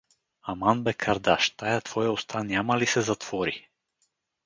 Аман бе, кардаш, тая твоя уста няма ли се затвори?